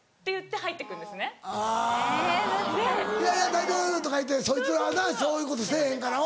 「大丈夫」とか言うてそいつはそういうことせぇへんから。